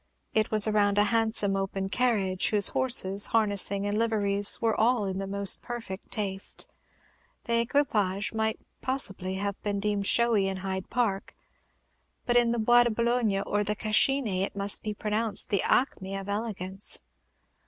It was around a handsome open carriage, whose horses, harnessing, and liveries were all in the most perfect taste. The equipage might possibly have been deemed showy in Hyde Park; but in the Bois de Boulogne or the Cascine it must be pronounced the acme of elegance.